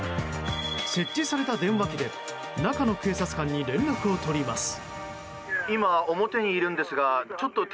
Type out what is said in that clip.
設置された電話機で中の警察官に連絡を取ります。